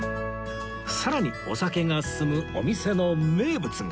さらにお酒が進むお店の名物が